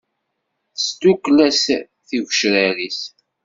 Tesdukel-as tigecrar-is.